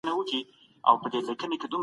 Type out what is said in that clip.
کارپوهانو به د دوستۍ پیغامونه رسول.